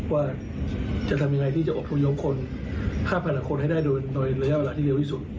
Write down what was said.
ว่าจะทำยังไงที่จะอบพยพคน๕๐๐คนให้ได้โดยระยะเวลาที่เร็วที่สุด